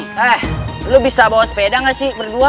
ah lu bisa bawa sepeda gak sih berdua